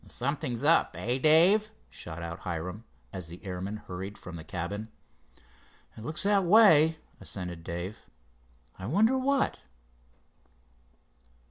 "Something's up; eh, Dave?" shot out Hiram, as the airman hurried from the cabin. "It looks that way," assented Dave. "I wonder what?"